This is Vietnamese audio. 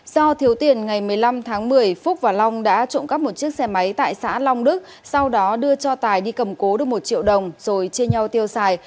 do thiếu tiền ngày một mươi năm tháng một mươi phúc và long đã trộm cắp một chiếc xe máy tại xã long đức sau đó đưa cho tài đi cầm cố được một triệu đồng rồi chia nhau tiêu xài